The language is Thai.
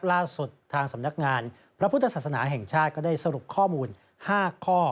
ล่าสุดทางสำนักงานพระพุทธศาสนาแห่งชาติก็ได้สรุปข้อมูล๕ข้อ